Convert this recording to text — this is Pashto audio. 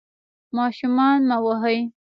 ماشومان مه وهئ.